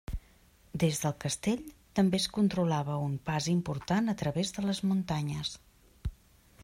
Des del castell també es controlava un pas important a través de les muntanyes.